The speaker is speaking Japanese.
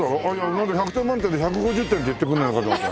なんだ１００点満点で１５０点って言ってくれるのかと思った。